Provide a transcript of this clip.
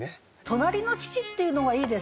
「隣の父」っていうのがいいですね。